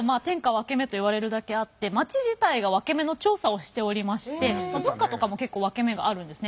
ワケメと言われるだけあって町自体がワケメの調査をしておりまして文化とかも結構ワケメがあるんですね。